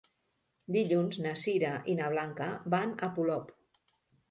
Dilluns na Sira i na Blanca van a Polop.